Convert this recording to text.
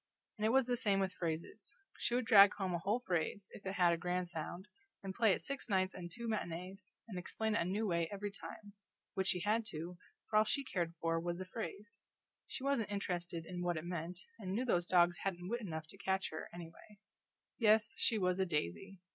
And it was the same with phrases. She would drag home a whole phrase, if it had a grand sound, and play it six nights and two matinees, and explain it a new way every time which she had to, for all she cared for was the phrase; she wasn't interested in what it meant, and knew those dogs hadn't wit enough to catch her, anyway. Yes, she was a daisy!